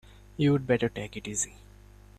You'd better take it easy.